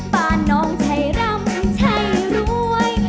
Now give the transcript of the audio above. บ้านน้องใช่รำใช่รวย